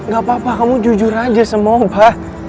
gak apa apa kamu jujur aja sama opa